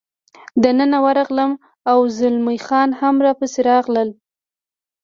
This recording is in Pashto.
دننه ورغلم، او زلمی خان هم را پسې راغلل.